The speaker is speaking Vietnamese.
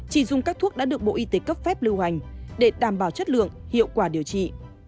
chỉ dùng các thuốc đã được bộ y tế cấp phép lưu hành để đảm bảo chất lượng hiệu quả điều trị